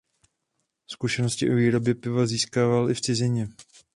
Zkušenosti o výrobě piva získával i v cizině.